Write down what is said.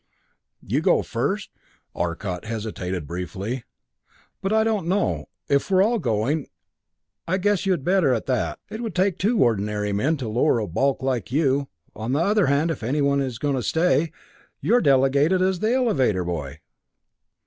"You go first?" Arcot hesitated briefly. "But I don't know if we're all going, I guess you had better, at that. It would take two ordinary men to lower a big bulk like you. On the other hand, if anybody is going to stay, you're delegated as elevator boy!